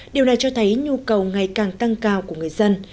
điều này cho thấy nhu cầu ngày càng tăng cao của người dân